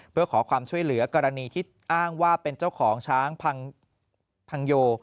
เพื่อขอความช่วยเหลือกรณีที่อ้างว่าเป็นเจ้าของช้างพังโย